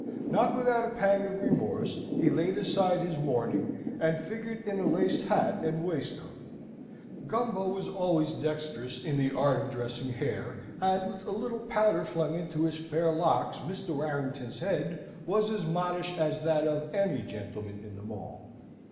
Not without a pang of remorse, he laid aside his mourning and figured in a laced hat and waistcoat. Gumbo was always dexterous in the art of dressing hair, and with a little powder flung into his fair locks Mr. Warrington's head was as modish as that of any gentleman in the Mall.